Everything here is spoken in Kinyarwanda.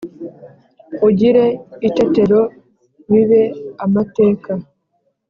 ugire itetero bibe amateka